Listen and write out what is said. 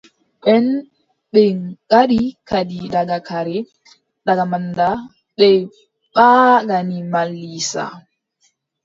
Nden ɓe gaddi kadi daga kare, daga manda, ɓe mbaagani Mal Iiisa.